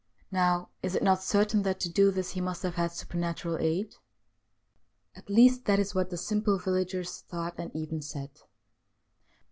Now, is it not certain that to do this he must have had supernatural aid ? At least that is what the simple villagers thought and even said.